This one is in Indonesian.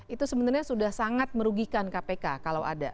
itu sebenarnya sudah sangat merugikan kpk kalau ada